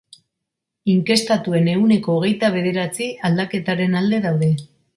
Inkestatuen ehuneko hogeita bederatzi aldaketaren alde daude.